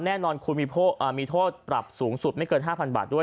แน่นอนคุณมีโทษปรับสูงสุดไม่เกิน๕๐๐บาทด้วย